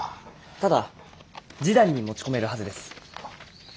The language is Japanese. ただ示談に持ち込めるはずです。